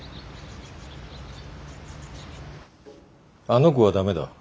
あの子はダメだ。